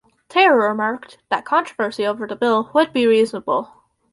Taher remarked that controversy over the bill would be reasonable.